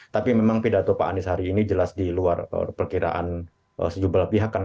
tapi memang pidato pak anies hari ini jelas di luar perkiraan sejumlah pihak kan